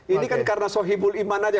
ini kan karena sohibul iman aja